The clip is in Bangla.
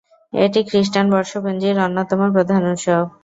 এটি খ্রিস্টান বর্ষপঞ্জির অন্যতম প্রধান উৎসব।